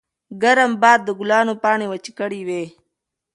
ګرم باد د ګلانو پاڼې وچې کړې وې.